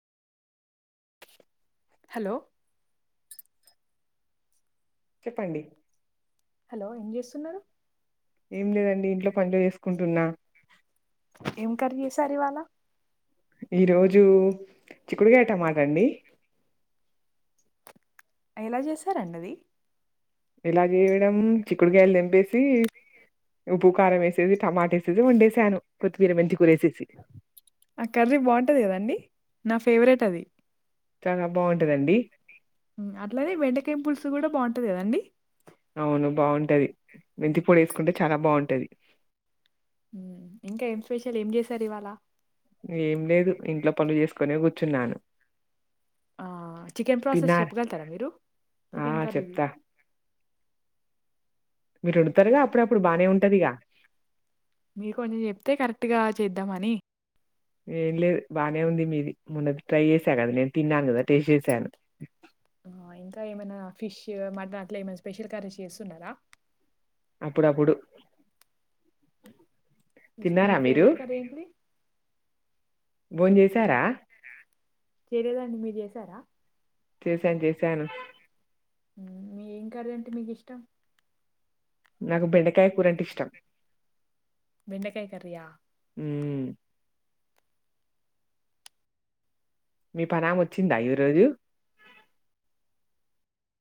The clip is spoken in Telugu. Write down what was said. హలో చెప్పండి హలో ఏం చేస్తున్నారు ఏం లేదండి ఇంట్లో పనులు చేసుకుంటున్నా ఏం కర్రీ చేసారు ఇవాళ ఈ రోజు చిక్కుడుగాయ టమాటా అండి ఎలా చేసారండి అది ఎలా చేయడం చి చీకుడుగాయలు తెంపేసి ఉప్పు కారం వేసేది టమాట వేసేసి వండేసాను కొత్తిమీర మెంతికూర వేసేసి ఆ కర్రీ బాగుంటది కదండి నా ఫేవరెట్ అది చాలా బాగుంటదండి హ్మ్ అట్లానేే బెండకాయ పులుసు కూడా బాగుంటది కదండి టది మేంతి పూడి వేసుకుంటే చానా బాగుంటది ఇంకా ఏం స్పెషల్ ఏం చేసారు ఇవాళ ఏం లేదు ఇంట్లో పనులు చేసుకోనే కూర్చున్నాను ఆ చికెన్ ప్రాసెస్ తిన్నారా చెప్పగలుగుతారా మీరు ఆ చికెన్ కరీది చెప్తా మీరు వండుతారుగా అప్పుడు అప్పుడు బానే ఉంటది ఇగా మీరు కొంచం చెప్తే కరెక్ట్గా చేద్దామని ఏం లేదు బానే ఉంది మీది మొన్న ట్రై చేసా కదా నేను తిన్నాను కదా టేస్ట్ చేసాను ఇంకా ఏమైనా ఫిష్ మటన్ అట్లా ఏమైనా స్పెషల్ కర్రీస్ చేస్తున్నారా అప్పుడు అప్పుడు మీ ఫవరెట్ కర్రీ ఏంది భోన్ చేసారా చేయలేదండి మీరు చేసారా చేసాన్ చేసాను మీ ఏం కర్రీ మీకు ఇష్టం నాకు బెండ బెండకాయ కర్రీ యా హ్మ్ మీ పనమా వచ్చిందా ఈ రోజు